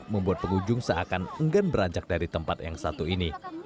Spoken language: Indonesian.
membuat pengunjung seakan enggan beranjak dari tempat yang satu ini